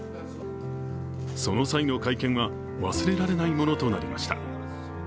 その際の会見は忘れられないものとなりました。